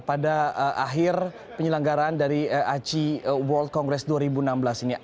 pada akhir penyelenggaraan dari aci world congress dua ribu enam belas ini